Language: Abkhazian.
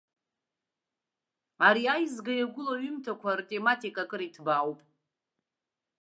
Ари аизга иагәылоу аҩымҭақәа ртематика акыр иҭбаауп.